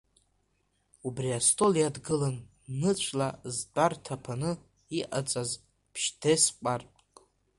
Убри астол иадгылан ныцәла зтәарҭа ԥаны иҟаҵаз ԥшь-дес ҟәардәк.